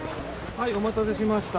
はいお待たせしました。